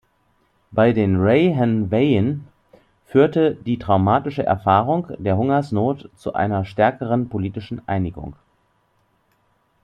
Bei den Rahanweyn führte die traumatische Erfahrung der Hungersnot zu einer stärkeren politischen Einigung.